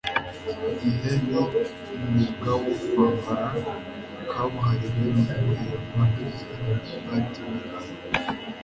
igihe ni umwuga wo kwambara kabuhariwe mu guhindura. - kwizera baldwin